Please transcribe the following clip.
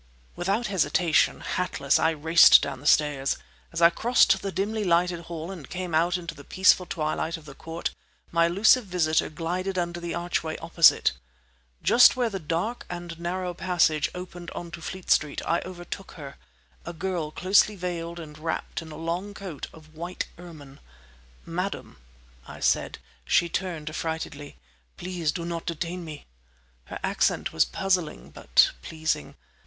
Without hesitation, hatless, I raced down the stairs. As I crossed the dimly lighted hall and came out into the peaceful twilight of the court, my elusive visitor glided under the archway opposite. Just where the dark and narrow passage opened on to Fleet Street I overtook her—a girl closely veiled and wrapped in a long coat of white ermine. "Madam," I said. She turned affrightedly. "Please do not detain me!" Her accent was puzzling, but pleasing.